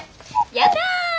やった。